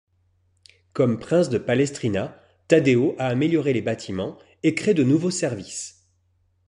Comme prince de Palestrina, Taddeo a amélioré les bâtiments et crée de nouveaux services.